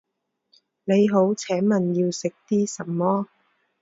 您好，请问要吃点什么？